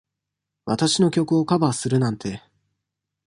私の曲をカバーするなんて。